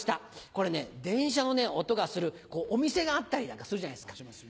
これね電車の音がするお店があったりなんかするじゃないですか。